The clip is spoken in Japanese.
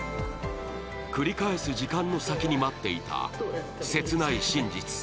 繰り返す時間の先に待っていた切ない真実。